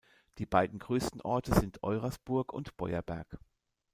Die beiden größten Orte sind Eurasburg und Beuerberg.